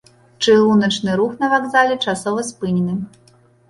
Чыгуначны рух на вакзале часова спынены.